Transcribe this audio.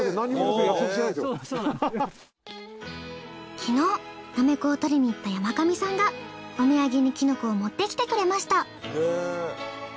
昨日なめこを採りに行った山上さんがお土産にきのこを持ってきてくれました。